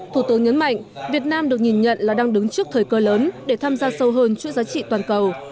thủ tướng nhấn mạnh việt nam được nhìn nhận là đang đứng trước thời cơ lớn để tham gia sâu hơn chuỗi giá trị toàn cầu